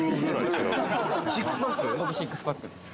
白濱：僕、シックスパックです。